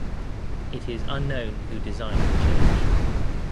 It is unknown who designed the church.